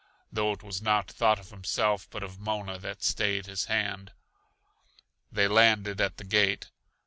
Though it was not thought of himself but of Mona that stayed his hand. They landed at the gate.